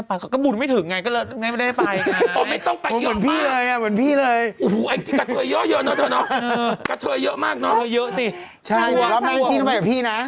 แล้วจี้รอบได้ยังไงทำไมไม่ได้ไปนี่หมดดำเปล่า